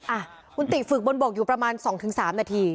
อ่ะคุณติฝึกบนบกอยู่ประมาณ๒๓นาที